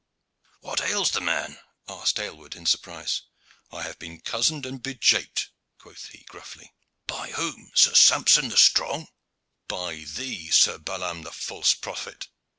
"What ails the man?" asked Aylward in surprise. "I have been cozened and bejaped," quoth he gruffly. "By whom, Sir Samson the strong?" "By thee, Sir Balaam the false prophet."